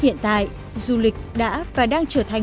hiện tại du lịch đã và đang trở thành